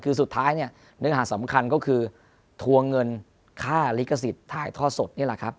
คือสุดท้ายเนื้อหาสำคัญก็คือทวงเงินค่าลิขสิทธิ์ท่ายท่อสด